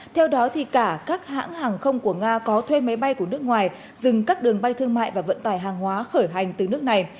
theo đó cả các hãng hàng không của nga có thuê máy bay của nước ngoài dừng các đường bay thương mại và vận tải hàng hóa khởi hành từ nước này